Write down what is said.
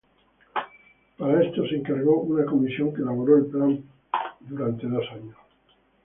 Para esto se encargó una comisión que elaboró el plan por dos años.